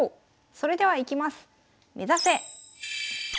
それではいきます。